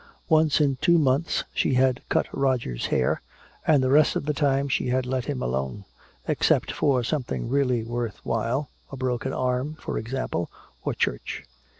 Once in two months she had cut Roger's hair, and the rest of the time she had let him alone, except for something really worth while a broken arm, for example, or church.